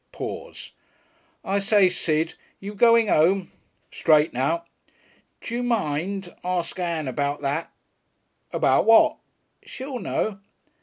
Pause. "I say, Sid. You going 'ome?" "Straight now." "D'you mind? Ask Ann about that." "About what?" "She'll know."